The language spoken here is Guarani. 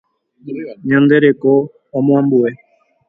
Ñande reko omoambue.